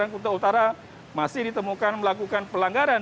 warga negara utara masih ditemukan melakukan pelanggaran